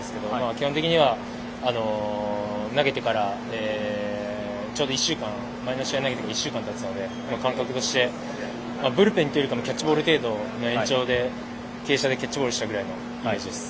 基本的には前の試合、投げてからちょうど１週間たつので感覚として、ブルペンというよりキャッチボールの延長で傾斜でキャッチボールしたイメージです。